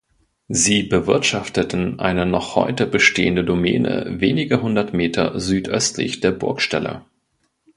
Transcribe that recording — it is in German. Sie bewirtschafteten eine noch heute bestehende Domäne wenige hundert Meter südöstlich der Burgstelle.